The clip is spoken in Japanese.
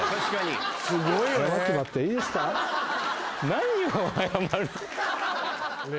何を謝る？